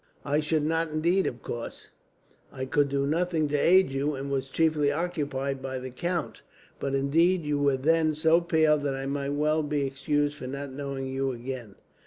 "I should not, indeed. Of course, I could do nothing to aid you, and was chiefly occupied by the count. But indeed, you were then so pale that I might well be excused for not knowing you again."